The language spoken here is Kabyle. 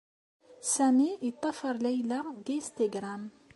Sami yeṭṭafar Layla deg Instagram.